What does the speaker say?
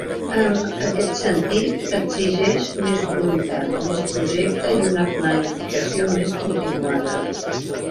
En aquest sentit, exigeix més voluntat, més projecte i una planificació més continuada.